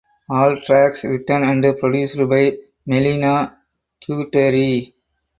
All tracks written and produced by Melina Duterte.